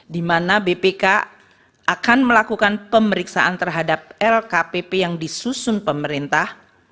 di mana bpk akan melakukan pemeriksaan terhadap lkpp yang disusun pemerintah